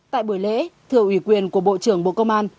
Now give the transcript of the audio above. tại buổi lễ thưa ủy quyền của bộ trưởng bộ công an